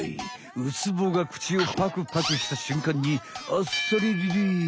ウツボが口をパクパクしたしゅんかんにあっさりリリース！